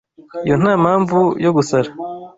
Iyo ntampamvu yo gusara.